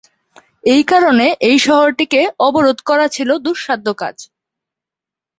এ কারণে এই শহরটিকে অবরোধ করা ছিল দুঃসাধ্য কাজ।